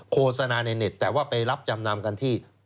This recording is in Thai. โฆษณาในเน็ตแต่ว่าไปรับจำนำกันที่